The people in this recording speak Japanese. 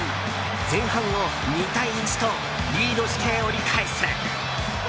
前半を２対１とリードして折り返す。